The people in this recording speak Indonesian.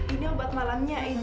ini obat malamnya ini